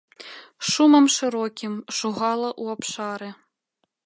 Шумам шырокім шугала ў абшары.